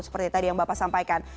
seperti tadi yang bapak sampaikan